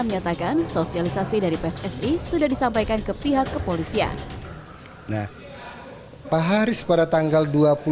menyatakan sosialisasi dari pssi sudah disampaikan ke pihak kepolisian nah pak haris pada tanggal